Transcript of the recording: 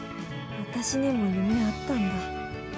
私にも夢あったんだ。